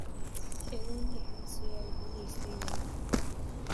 Egun, definizio hau du hiztegian.